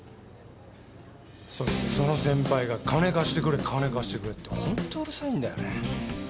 それでその先輩が金貸してくれ金貸してくれってほんとうるさいんだよね。